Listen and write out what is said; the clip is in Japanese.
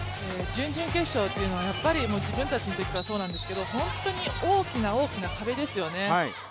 準々決勝というのは、自分たちのときからそうなんですが本当に大きな大きな壁ですよね。